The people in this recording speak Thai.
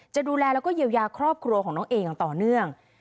จะดูแลแล้วก็เยียวยาครอบครัวของน้องเออย่างต่อเนื่อง